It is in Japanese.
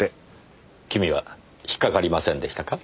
君は引っかかりませんでしたか？